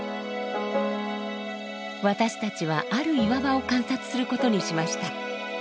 私たちはある岩場を観察することにしました。